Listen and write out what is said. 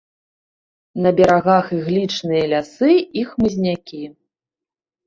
На берагах іглічныя лясы і хмызнякі.